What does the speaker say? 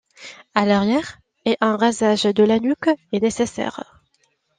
À l'arrière, et un rasage de la nuque est nécessaire.